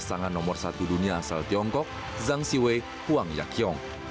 dan membuatnya menjadi pasangan nomor satu dunia asal tiongkok zhang xiwei huang yakyong